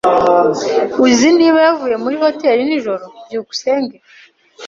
Uzi niba yavuye muri hoteri nijoro? byukusenge